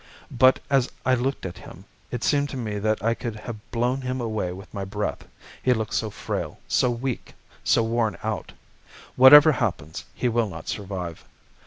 But as I looked at him, it seemed to me that I could have blown him away with my breath, he looked so frail, so weak, so worn out. Whatever happens, he will not survive.